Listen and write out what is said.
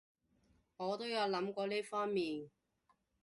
我都有諗過呢方面